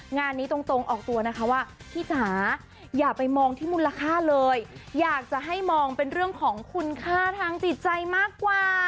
งานนี้ตรงออกตัวนะคะว่าพี่จ๋าอย่าไปมองที่มูลค่าเลยอยากจะให้มองเป็นเรื่องของคุณค่าทางจิตใจมากกว่า